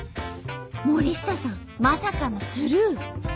森下さんまさかのスルー。